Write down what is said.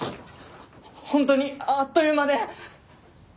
本当にあっという間で！